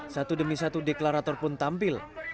satu demi satu deklarator pun tampil